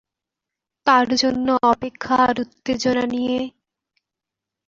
এটি ইউএমআইএসটি-এর সাথে নিবিড় সম্পর্কে সংযুক্ত, বেশিরভাগ বিজ্ঞান ও প্রযুক্তি বিভাগের ইতিহাস থেকে বেড়ে উঠেছিল।